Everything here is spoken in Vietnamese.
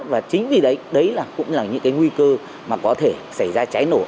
và chính vì đấy đấy cũng là những cái nguy cơ mà có thể xảy ra cháy nổ